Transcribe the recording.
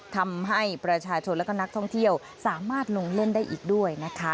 ทำให้ประชาชนและก็นักท่องเที่ยวสามารถลงเล่นได้อีกด้วยนะคะ